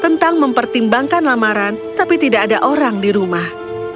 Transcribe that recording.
tentang mempertimbangkan lamaran tapi tidak ada orang di rumah